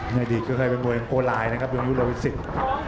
ในอดีตเคยเคยเป็นมวยโกลายนะครับยงยุทธ์เลอร์วิสิทธิ์